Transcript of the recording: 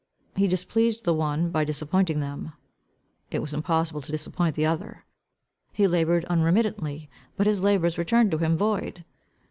He displeased the one by disappointing them; it was impossible to disappoint the other. He laboured unremittedly, but his labours returned to him void.